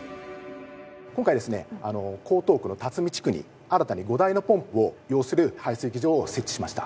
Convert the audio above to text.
今回ですね江東区の辰巳地区に新たに５台のポンプを擁する排水機場を設置しました。